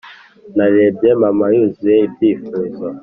narebye mama yuzuza ibyifuzo.